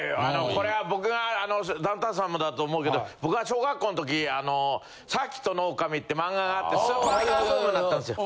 これは僕がダウンタウンさんもだと思うけど僕が小学校の時『サーキットの狼』って漫画があってスーパーカーブームになったんですよ。